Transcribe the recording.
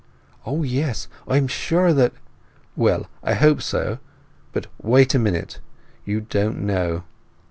"O yes! I am sure that—" "Well, I hope so. But wait a minute. You don't know.